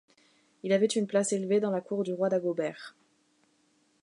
Il avait une place élevée dans la cour du Roi Dagobert.